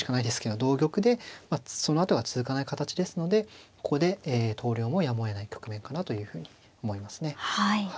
同玉でそのあとが続かない形ですのでここで投了もやむをえない局面かなというふうに思いますね。